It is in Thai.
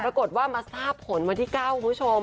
ปรากฏว่ามาทราบผลวันที่๙คุณผู้ชม